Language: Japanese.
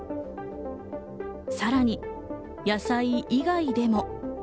さらに野菜以外でも。